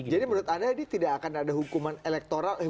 jadi menurut anda ini tidak akan ada hukuman elektoral